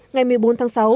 ngày một mươi bốn tháng sáu